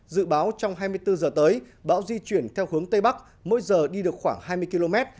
dự báo trong hai mươi bốn h tới bão di chuyển theo hướng tây bắc mỗi giờ đi được khoảng hai mươi km